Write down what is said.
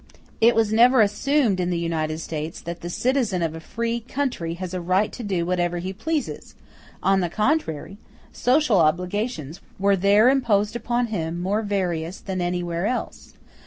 It was never assumed in the United States that the citizen of a free country has a right to do whatever he pleases; on the contrary, social obligations were there imposed upon him more various than anywhere else.